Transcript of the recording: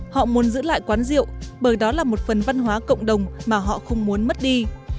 họ muốn giữ lại quán rượu bởi đó là một phần văn hóa cộng đồng mà họ không muốn mất đi